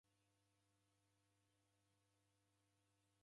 Jingi ndouchaliw'a.